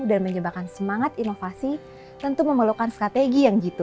dan menyebabkan semangat inovasi tentu memerlukan strategi yang gitu